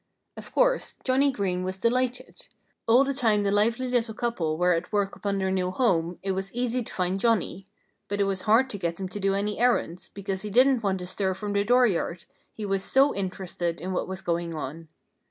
Of course, Johnnie Green was delighted. All the time the lively little couple were at work upon their new home it was easy to find Johnnie. But it was hard to get him to do any errands, because he didn't want to stir from the dooryard, he was so interested in what was going on.